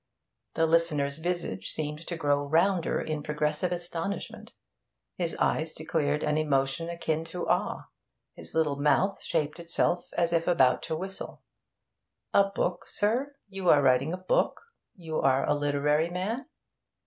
The listener's visage seemed to grow rounder in progressive astonishment; his eyes declared an emotion akin to awe; his little mouth shaped itself as if about to whistle. 'A book, sir? You are writing a book? You are a literary man?'